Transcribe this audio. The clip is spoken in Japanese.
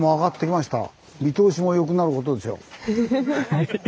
はい。